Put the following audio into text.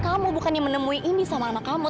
kamu bukannya menemui ini sama anak kamu